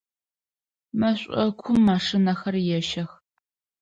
Мэшӏокум машинэхэр ещэх.